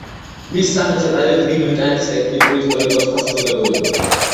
მის სახელს ატარებს დიდი ბრიტანეთის ტექნიკურ ისტორიკოსთა საზოგადოება.